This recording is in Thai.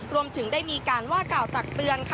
รวมถึงได้มีการว่าก่อตักเตือน